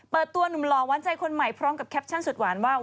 ตัวหนุ่มหล่อหวานใจคนใหม่พร้อมกับแคปชั่นสุดหวานว่า